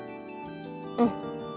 うん。